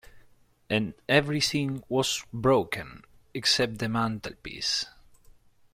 And everything was broken, except the mantelpiece.